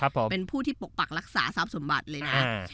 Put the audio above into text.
เป็นผู้ที่ปกปักรักษาทรัพย์สมบัติเลยนะ